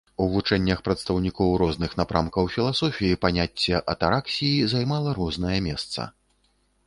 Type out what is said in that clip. У вучэннях прадстаўнікоў розных напрамкаў філасофіі паняцце атараксіі займала рознае месца.